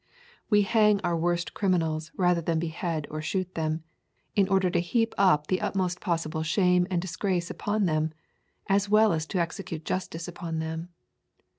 We hang our worst criminals rather than behead or shoot them, in order to heap up the utmost possible shame and disgrace upon them, as well as to execute justice upon them.